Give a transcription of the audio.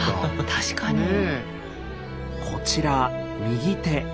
こちら右手。